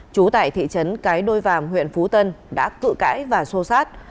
chú tại thị trấn cái đôi vàm huyện phú tân đã cự cãi và xô sát